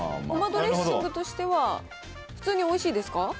ごまドレッシングとしては普通においしいですか？